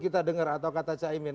kita dengar atau kata caimin